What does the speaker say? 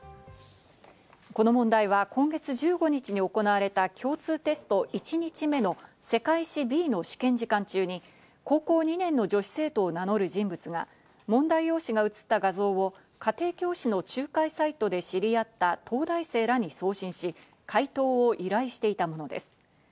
この問題は今月１５日に行われた共通テスト１日目の世界史Ｂの試験時間中に、高校２年の女子生徒を名乗る人物が問題用紙が写った画像を家庭教師の仲介サイトで知り合った東大生らに送信し、解答を依頼していたものです。